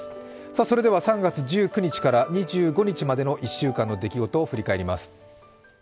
それでは３月１９日から２５日までの１週間の出来事を振り返ります。